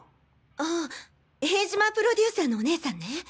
ああ塀島プロデューサーのお姉さんね。